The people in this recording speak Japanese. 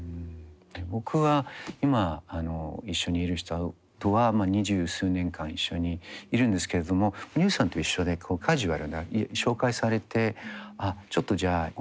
僕は今一緒にいる人とは二十数年間一緒にいるんですけれどもＵさんと一緒でカジュアルな紹介されてあちょっとじゃあごはん行きましょうとかって言って